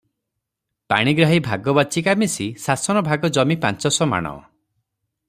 ପାଣିଗ୍ରାହୀ ଭାଗବାଚିକା ମିଶି ଶାସନ ଭାଗ ଜମି ପାଞ୍ଚଶ ମାଣ ।